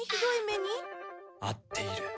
あっている。